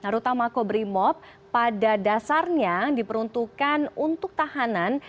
rutan mako brimob pada dasarnya diperuntukkan untuk tahanan